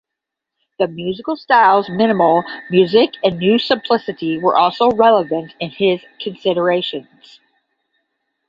The musical styles Minimal music and New Simplicity were also relevant in his considerations.